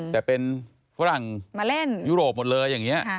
แต่เป็นฝรั่งมาเล่นยุโรปหมดเลยอย่างนี้